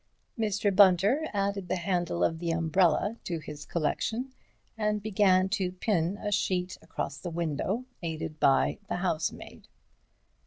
Mr. Bunter added the handle of the umbrella to his collection, and began to pin a sheet across the window, aided by the housemaid.